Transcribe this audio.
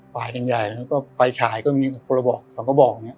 พายกันใหญ่ปลายฉายก็มีระบอกสำหรับบอก